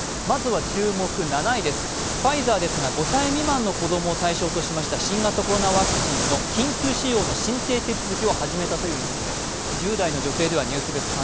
まずは注目７位です、ファイザーですが５歳未満の子供を対象としました新型コロナワクチンの緊急使用の申請手続を始めたというニュースです。